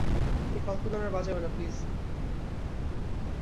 এই ফালতু গান আর বাজাবেনা, প্লিজ।